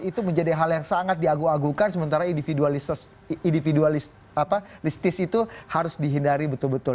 itu menjadi hal yang sangat diaguh agungkan sementara individualistis itu harus dihindari betul betul